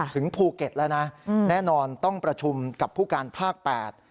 ถึงภูเก็ตแล้วนะแน่นอนต้องประชุมกับผู้การภาคแปด